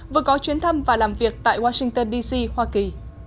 vừa có chuyến thăm và làm việc tại washington dc hoa kỳ